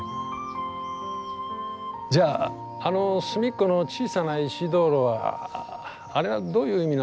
じゃああの隅っこの小さな石灯籠はあれはどういう意味なんでしょうか？